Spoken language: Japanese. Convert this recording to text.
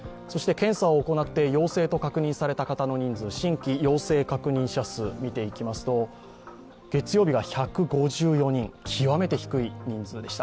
検査を行って陽性と確認された方の人数新規陽性確認者数見ていきますと月曜日が１５４人、極めて低い人数でした。